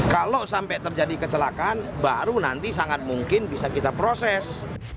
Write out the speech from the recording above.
kalau sampai terjadi kecelakaan baru nanti sangat mungkin bisa kita proses